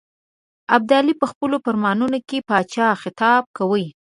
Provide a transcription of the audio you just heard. ابدالي په خپلو فرمانونو کې پاچا خطاب کوي.